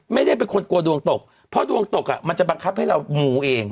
ไม่ได้เป็นคนกลัวดวงตกเพราะดวงตกอ่ะมันจะบังคับให้เรามูเอง